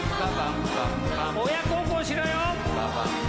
親孝行しろよ！